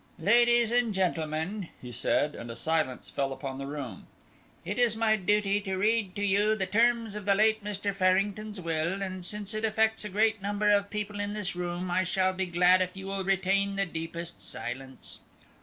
"Ladies and gentlemen," he said, and a silence fell upon the room, "it is my duty to read to you the terms of the late Mr. Farrington's will, and since it affects a great number of people in this room, I shall be glad if you will retain the deepest silence."